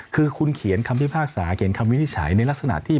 คือคุณเขียนคำพิพากษาเขียนคำวินิจฉัยในลักษณะที่